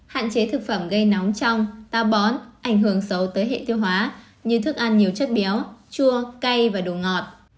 hạn chế thực phẩm gây nóng trong ta bón ảnh hưởng xấu tới hệ tiêu hóa như thức ăn nhiều chất béo chua cay và đồ ngọt